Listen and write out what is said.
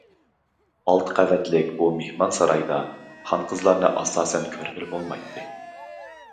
ئالتە قەۋەتلىك بۇ مېھمان سارايدا خانقىزلارنى ئاساسەن كۆرگىلى بولمايتتى.